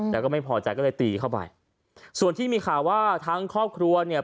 แล้วก็ไม่พอใจก็เลยตีเข้าไปส่วนที่มีข่าวว่าทั้งครอบครัวเนี่ย